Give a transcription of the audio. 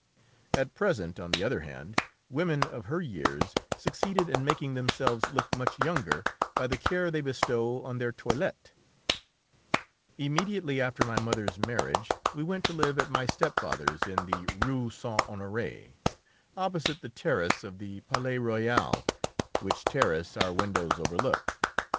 At present, on the other hand, women of her years succeed in making themselves look much younger by the care they bestow on their toilet. [Illustration: THE DUCHESS D'ANGOULÊME AND HER BROTHER, THE DAUPHIN.] Immediately after my mother's marriage we went to live at my stepfather's in the Rue Saint Honoré, opposite the terrace of the Palais Royal, which terrace our windows overlooked.